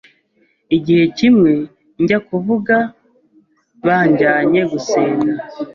Igihe kimwe njya kuvuga banjyanye gusenga